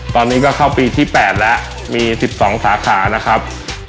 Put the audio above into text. ตอนนี้ก็เข้าปีที่แปดแล้วมีสิบสองสาขานะครับ